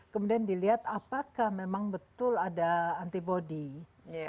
kemudian dilihat apakah memang betul ada antibody